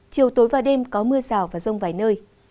chiều tối và đêm có mưa rào và rông vài nơi